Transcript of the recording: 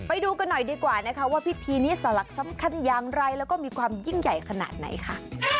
ไปดูกันหน่อยดีกว่านะคะว่าพิธีนี้สลักสำคัญอย่างไรแล้วก็มีความยิ่งใหญ่ขนาดไหนค่ะ